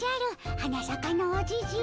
花さかのおじじ。